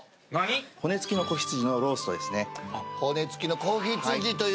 骨付きの仔羊のローストですね。